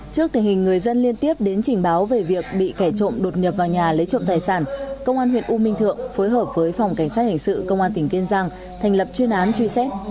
trong đó nguyên nhân chỉnh báo về việc bị kẻ trộm đột nhập vào nhà lấy trộm tài sản công an huyện u minh thượng phối hợp với phòng cảnh sát hành sự công an tỉnh kiên giang thành lập chuyên án truy xét